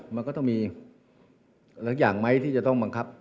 มันก็ต้องมีหลายอย่างไหมที่จะต้องบังคับ